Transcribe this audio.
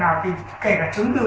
nhưng vẫn có thông tin